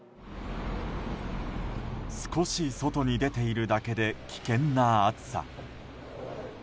少し外に出ているだけで危険な暑さ。